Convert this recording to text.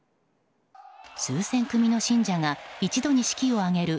数千組の信者が一度に式を挙げる